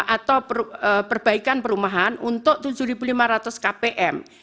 atau perbaikan perumahan untuk tujuh lima ratus kpm